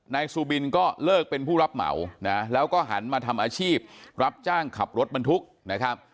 ซูบินก็เลิกเป็นผู้รับเหมานะแล้วก็หันมาทำอาชีพรับจ้างขับรถบรรทุกนะครับ